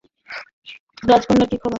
রাজকন্যার কি খবর?